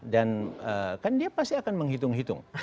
dan kan dia pasti akan menghitung hitung